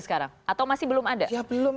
sekarang atau masih belum ada belum